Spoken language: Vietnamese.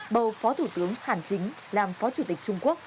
bầu phó thủ tướng hàn chính làm phó chủ tịch trung quốc